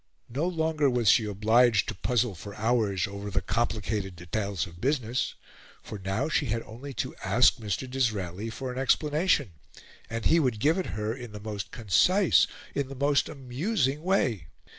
No longer was she obliged to puzzle for hours over the complicated details of business, for now she had only to ask Mr. Disraeli for an explanation, and he would give it her in the most concise, in the most amusing, way.